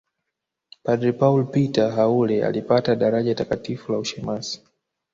Padre Paul Peter Haule alipata daraja Takatifu la ushemasi